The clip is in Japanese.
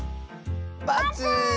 バツ！